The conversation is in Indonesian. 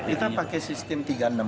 kita pakai sistem tiga puluh enam